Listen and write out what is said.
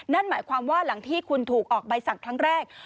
นั่นหมายความว่าหลังที่คุณถูกออกใบสั่งครั้งแรก